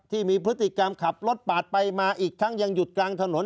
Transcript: ที่มีพฤติกรรมขับรถปาดไปมาอีกทั้งยังหยุดกลางถนน